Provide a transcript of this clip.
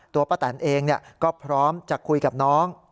ป้าแตนเองก็พร้อมจะคุยกับน้อง